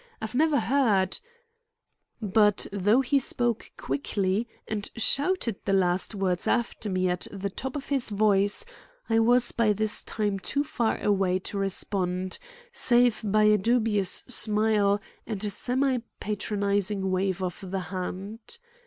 I've never heard—" But though he spoke quickly and shouted the last words after me at the top of his voice, I was by this time too far away to respond save by a dubious smile and a semi patronizing wave of the hand.